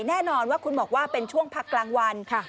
แน่นอนว่าคุณบอกว่าเป็นช่วงพักกลางวัน